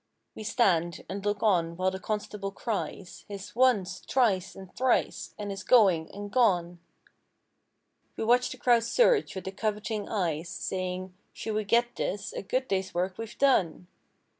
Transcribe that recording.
We stand and look on while the constable cries His "Once!" "Twice" and "Thrice!" and his "Going!" and "Gone!" We watch the crowd surge, with the coveting eyes Saying—"Should we get this a good day's work we've done!"